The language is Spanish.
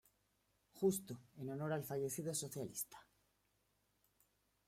Justo", en honor al fallecido socialista.